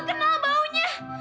gua kenal baunya